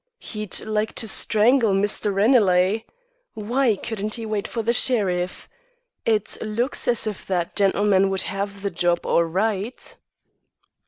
He'd like to strangle Mr. Ranelagh! Why couldn't he wait for the sheriff. It looks as if that gentleman would have the job, all right."